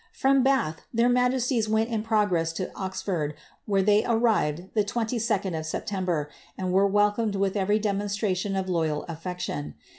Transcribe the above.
From Bath their majeaiifi went in progress to Oxford, where they arrived 22d of September, and were welcomed with every demonstration of loyal afiection.